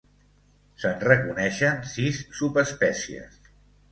Se'n reconeixen sis subespècies.